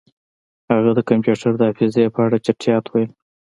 هغه د کمپیوټر د حافظې په اړه چټیات ویل